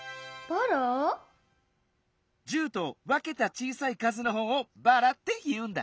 １０とわけたちいさいかずのほうを「ばら」っていうんだ。